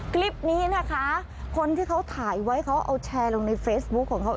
คลิปนี้นะคะคนที่เขาถ่ายไว้เขาเอาแชร์ลงในเฟซบุ๊คของเขา